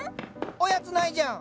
おやつ無いじゃん。